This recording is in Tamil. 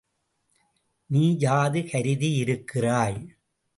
நீ யாது கருதியிருக்கிறாய்?